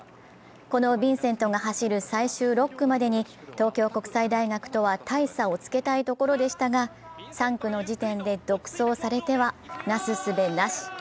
このヴィンセントが走る最終６区までに東京国際大学とは大差をつけたいところでしたが、３区の時点で独走されてはなすすべなし。